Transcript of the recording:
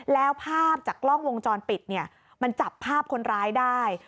แล้วภาพจากกล้องวงจรปิดเนี่ยมันจับภาพคนร้ายได้